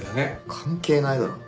関係ないだろ。